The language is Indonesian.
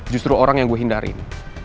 justru orang yang gue hindari